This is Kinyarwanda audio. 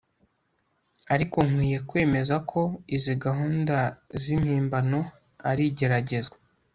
Ariko nkwiye kwemeza ko izi gahunda zimpimbano ari igeragezwa